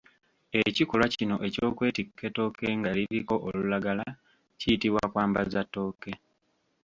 Ekikolwa kino eky'okwetikka ettooke nga liriko olulagala kiyitibwa kwambaza ttooke.